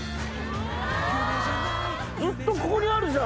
ずっとここにあるじゃん！